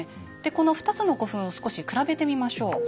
この２つの古墳を少し比べてみましょう。